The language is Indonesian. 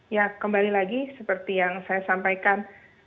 ya kembali lagi seperti yang saya sampaikan